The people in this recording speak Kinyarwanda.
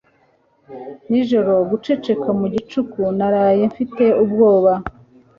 nijoro guceceka, mu gicuku naraye mfite ubwoba